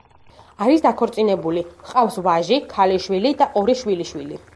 არის დაქორწინებული, ჰყავს ვაჟი, ქალიშვილი და ორი შვილიშვილი.